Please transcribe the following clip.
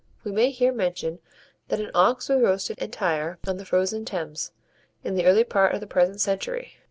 We may here mention, that an ox was roasted entire on the frozen Thames, in the early part of the present century.